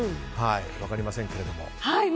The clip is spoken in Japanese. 分かりませんけれども。